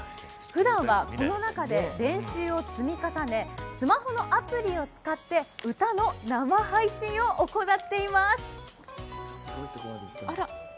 ふだんはこの中で練習を積み重ね、スマホのアプリを使って歌の生配信を行っています。